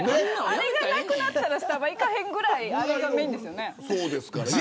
あれがなくなったらスタバに行かへんぐらいあれがメーンですよね。